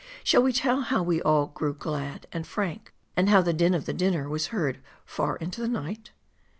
Shall we tell how we all grew glad and frank ; and how the din of the dinner was heard far into night